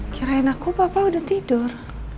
kirain aku papa udah tidur